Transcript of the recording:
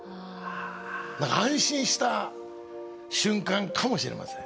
何か安心した瞬間かもしれません。